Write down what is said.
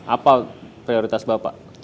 apa prioritas bapak